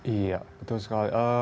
iya betul sekali